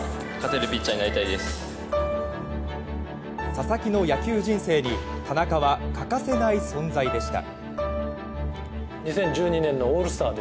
佐々木の野球人生に田中は欠かせない存在でした。